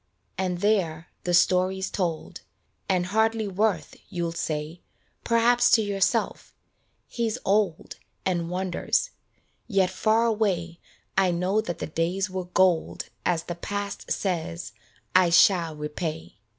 And there the story's told j And hardly worth, you'll say Perhaps to yourself: " He's old And wanders" yet far away I know that the days were gold As the past says " I shall repay."